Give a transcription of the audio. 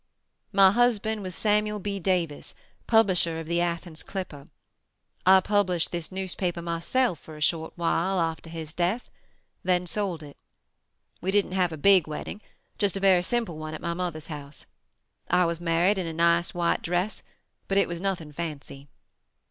"My husband was Samuel B. Davis, publisher of the Athens Clipper. I published this newspaper myself for a short while after his death, then sold it. We didn't have a big wedding, just a very simple one at my mother's house. I was married in a nice white dress, but it was nothing fancy.